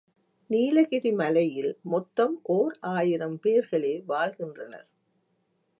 நீலகிரி மலையில் மொத்தம் ஓர் ஆயிரம் பேர்களே வாழ்கின்றனர்.